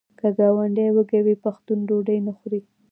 که ګاونډی وږی وي پښتون ډوډۍ نه خوري.